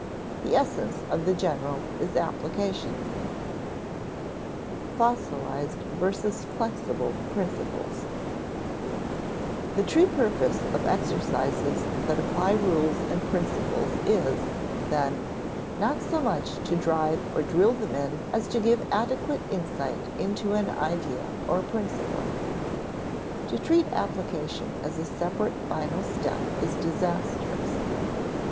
The essence of the general is application. (Ante, p. 29.) [Sidenote: Fossilized versus flexible principles] The true purpose of exercises that apply rules and principles is, then, not so much to drive or drill them in as to give adequate insight into an idea or principle. To treat application as a separate final step is disastrous.